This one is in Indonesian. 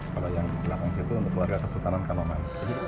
kalau yang di belakang situ untuk keluarga kesultanan kanaman